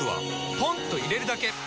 ポンと入れるだけ！